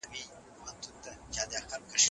پخوا ښوونځي کمزوري وو.